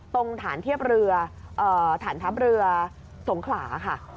ตรงฐานเทียบเรือฐานทัพเรือสงขลาค่ะ